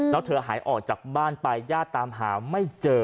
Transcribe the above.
แล้วเธอหายออกจากบ้านไปญาติตามหาไม่เจอ